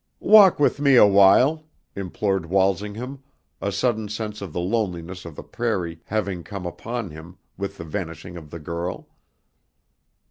"Walk with me awhile," implored Walsingham, a sudden sense of the loneliness of the prairie having come upon him with the vanishing of the girl.